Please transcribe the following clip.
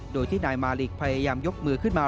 โดยที่นายมาริกพยายามยกมือขึ้นมา